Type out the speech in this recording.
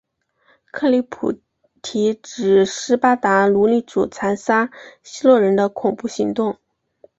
克里普提指斯巴达奴隶主残杀希洛人的恐怖行动。